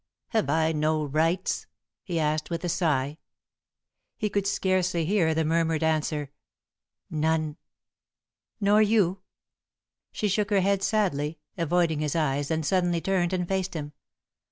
"Have I no rights?" he asked, with a sigh. He could scarcely hear the murmured answer: "None." "Nor you?" She shook her head sadly, avoiding his eyes, then suddenly turned and faced him.